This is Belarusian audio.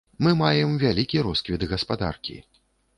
Мы маем вялікі росквіт гаспадаркі.